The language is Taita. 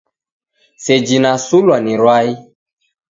Seji nasulwa ni rwai.